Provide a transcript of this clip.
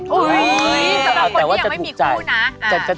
สำหรับคนที่ยังไม่มีคู่นะ